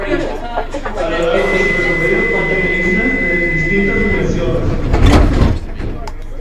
A lo largo de su recorrido contiene islas de distintas dimensiones.